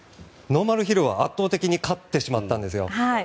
ノーマルヒルは圧倒的に勝ってしまったんですよ。